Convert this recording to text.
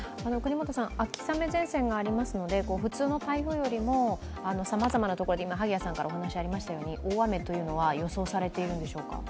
秋雨前線がありますので、普通の台風よりもさまざまなところに、大雨というのは予想されているんでしょうか？